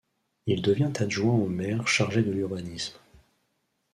Il devient adjoint au maire chargé de l’urbanisme.